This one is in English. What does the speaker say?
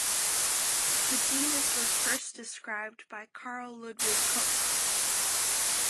The Genus was first described by Carl Ludwig Koch.